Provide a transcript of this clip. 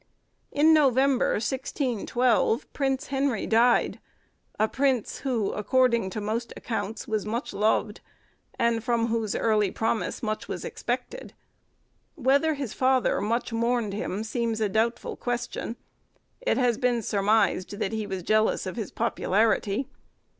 In November, 1612, Prince Henry died; a prince who, according to most accounts, was much loved, and from whose early promise much was expected. Whether his father much mourned him seems a doubtful question: it has been surmised that he was jealous of his popularity.